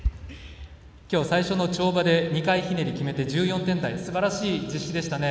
きょう最初の跳馬で２回ひねり決めて１４点台すばらしい実施でしたね。